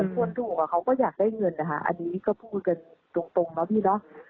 ส่วนผลถูกเขาก็อยากได้เงินนะคะอันนี้ก็พูดกันตรงแล้วพี่